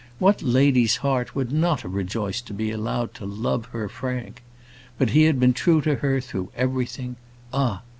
What lady's heart would not have rejoiced to be allowed to love her Frank? But he had been true to her through everything. Ah!